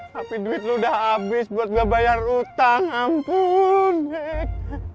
tapi duit lo udah habis buat gua bayar utang ampun jack